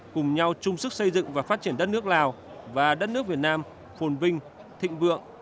cùng nhau chung sức xây dựng và phát triển đất nước lào và đất nước việt nam phồn vinh thịnh vượng